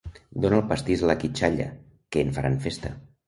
Dona el pastís a la quitxalla, que en faran festa.